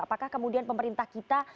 apakah kemudian pemerintah kita